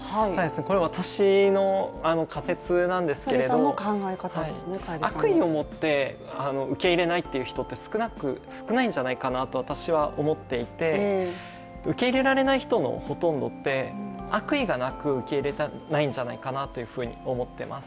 これは私の仮説なんですけれども、悪意を持って受け入れないという人って少ないんじゃないかなと私は思っていて受け入れられない人のほとんどって悪意がなく受け入れていないんじゃないかと思っています。